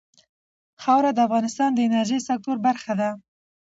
خاوره د افغانستان د انرژۍ سکتور برخه ده.